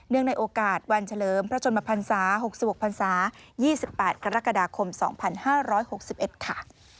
เนื่องในโอกาสวันเฉลิมพระชนมภรรษา๖๖ภรรษา๒๘กรกฎาคม๒๕๖๑ค่ะ